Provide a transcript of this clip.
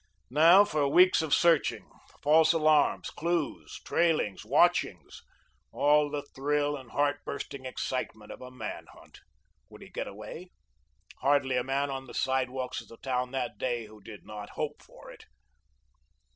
Now for weeks of searching, false alarms, clews, trailings, watchings, all the thrill and heart bursting excitement of a man hunt. Would he get away? Hardly a man on the sidewalks of the town that day who did not hope for it.